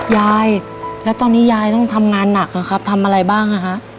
ยายแล้วตอนนี้ยายต้องทำงานหนักอะครับทำอะไรบ้างอ่ะฮะ